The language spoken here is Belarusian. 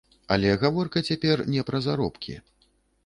Але гаворка цяпер не пра заробкі.